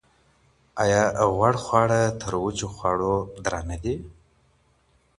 آیا غوړ خواړه تر وچو خواړو درانده دي؟